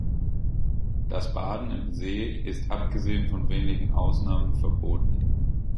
Das Baden im See ist, abgesehen von wenigen Ausnahmen, verboten.